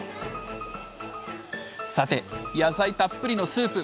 さて野菜たっぷりのスープ。